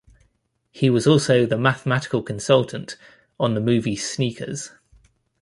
He was also the mathematical consultant on the movie "Sneakers".